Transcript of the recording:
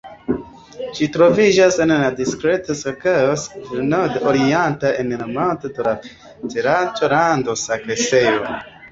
Ĝi troviĝas en la distrikto Saksa Svislando-Orienta Ercmontaro de la federacia lando Saksio.